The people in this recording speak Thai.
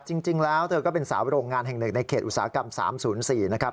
จริงแล้วเธอก็เป็นสาวโรงงานแห่งหนึ่งในเขตอุตสาหกรรม๓๐๔นะครับ